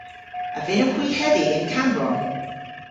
A vynnowgh hwi hedhi yn Kammbronn?